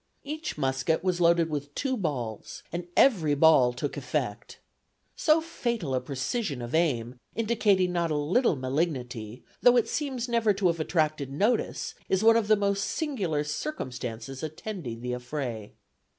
Each musket was loaded with two balls and every ball took effect. "So fatal a precision of aim, indicating not a little malignity, though it seems never to have attracted notice, is one of the most singular circumstances attending the affray.